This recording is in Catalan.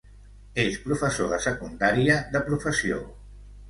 És professor de secundària de professió.